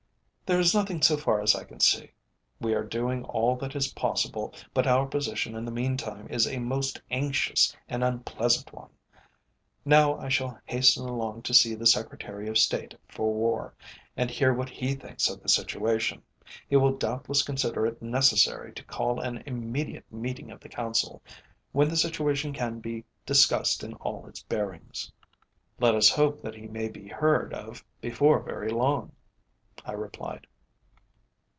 "There is nothing so far as I can see. We are doing all that is possible, but our position in the meantime is a most anxious and unpleasant one. Now I shall hasten along to see the Secretary of State for War, and hear what he thinks of the situation. He will doubtless consider it necessary to call an immediate meeting of the Council, when the situation can be discussed in all its bearings." "Let us hope that he may be heard of before very long," I replied.